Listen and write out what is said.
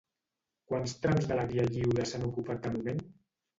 Quants trams de la Via Lliure s'han ocupat de moment?